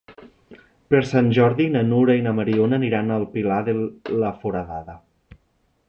Per Sant Jordi na Nura i na Mariona aniran al Pilar de la Foradada.